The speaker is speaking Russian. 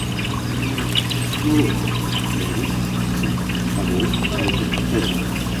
Мне неловко говорить с тобой об этом.